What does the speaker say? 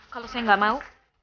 kalau saya enggak mau